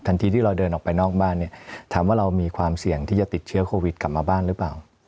ทีที่เราเดินออกไปนอกบ้านเนี่ยถามว่าเรามีความเสี่ยงที่จะติดเชื้อโควิดกลับมาบ้านหรือเปล่า